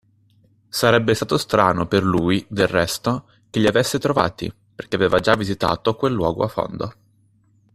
Sarebbe stato strano per lui, del resto, che li avesse trovati, perché aveva già visitato quel luogo a fondo.